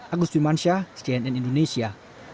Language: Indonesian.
agus wimansyah cnn indonesia